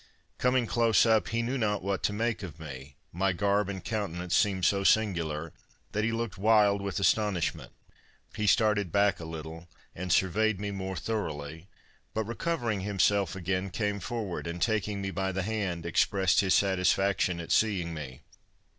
Coming close up, he knew not what to make of me; my garb and countenance seemed so singular, that he looked wild with astonishment. He started back a little, and surveyed me more thoroughly; but, recovering himself again, came forward, and, taking me by the hand, expressed his satisfaction at seeing me.